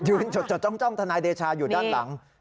จดจ้องทนายเดชาอยู่ด้านหลัง